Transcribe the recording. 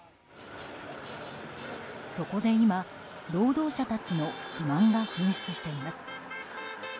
そこで今、労働者たちの不満が噴出しています。